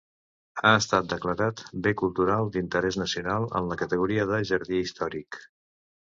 Ha estat declarat Bé Cultural d'Interès Nacional, en la categoria de Jardí Històric.